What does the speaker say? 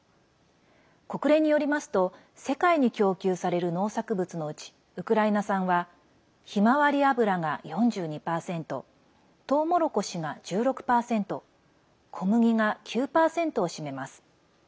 国連によりますと世界に供給される農作物のうちウクライナ産はひまわり油が４２％トウモロコシが１６％小麦が９％を占めます。